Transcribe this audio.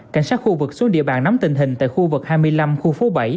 cảnh sát khu vực xuống địa bàn nắm tình hình tại khu vực hai mươi năm khu phố bảy